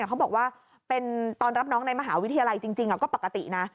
เขาบอกว่าเป็นตอนรับน้องในมหาวิทยาลัยจริงก็ปกตินะ